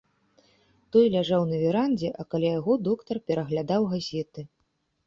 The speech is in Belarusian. Той ляжаў на верандзе, а каля яго доктар пераглядаў газеты.